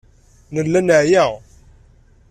Nella neɛya.